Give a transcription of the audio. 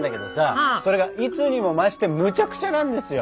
それがいつにも増してむちゃくちゃなんですよ。